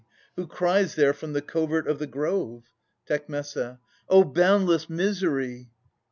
Who cries there from the covert of the grove ? Tec. O boundless misery!